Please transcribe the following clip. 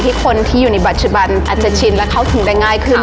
คนที่อยู่ในปัจจุบันอาจจะชินและเข้าถึงได้ง่ายขึ้น